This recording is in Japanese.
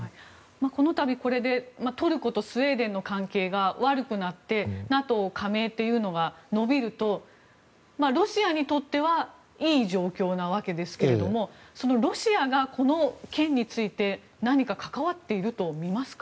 このたび、これでトルコとスウェーデンの関係が悪くなってＮＡＴＯ加盟というのが延びるとロシアにとってはいい状況なわけですけれどもロシアがこの件について何か関わっているとみますか？